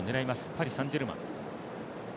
パリ・サン＝ジェルマン。